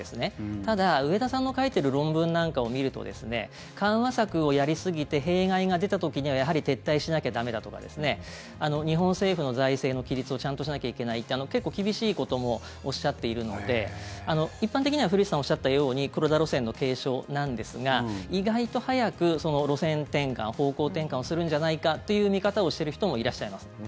ただ、植田さんの書いてる論文なんかを見ると緩和策をやりすぎて弊害が出た時にはやはり撤退しなきゃ駄目だとか日本政府の財政の規律をちゃんとしなきゃいけないって結構厳しいこともおっしゃっているので一般的には古市さんがおっしゃったように黒田路線の継承なんですが意外と早く路線転換方向転換をするんじゃないかっていう見方をしてる人もいらっしゃいます。